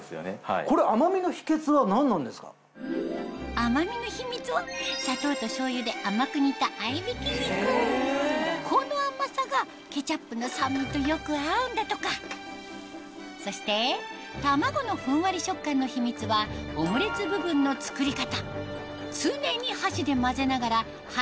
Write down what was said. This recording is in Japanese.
甘みの秘密はこの甘さがケチャップの酸味とよく合うんだとかそして卵のふんわり食感の秘密はオムレツ部分の作り方